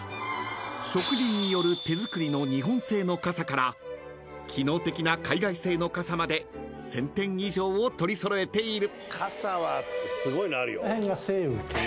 ［職人による手作りの日本製の傘から機能的な海外製の傘まで１，０００点以上を取り揃えている］